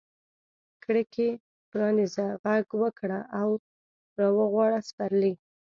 کړکۍ پرانیزه، ږغ وکړه را وغواړه سپرلي